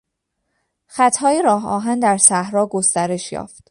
خطهای راه آهن در صحرا گسترش یافت.